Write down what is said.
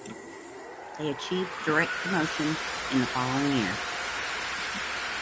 They achieve the direct promotion in the following year.